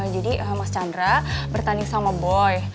jadi mas chandra bertanding sama boy